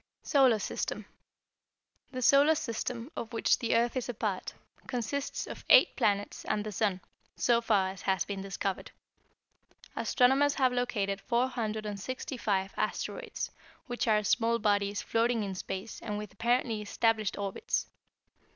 Solar System The Solar System, of which the earth is a part, consists of eight planets and the sun, so far as has been discovered. Astronomers have located 465 asteroids, which are small bodies floating in space and with apparently established orbits.